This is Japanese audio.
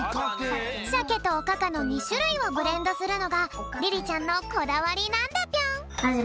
しゃけとおかかの２しゅるいをブレンドするのがリリちゃんのこだわりなんだぴょん。